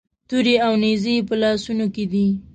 تورې او نیزې یې په لاسونو کې دي.